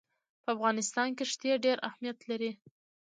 په افغانستان کې ښتې ډېر اهمیت لري.